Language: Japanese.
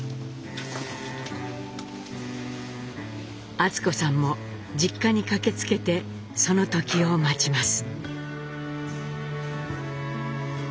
厚子さんも実家に駆けつけてその時を待ちます。